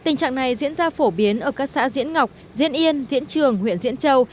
nó phổ biến ở các xã diễn ngọc diễn yên diễn trường huyện diễn châu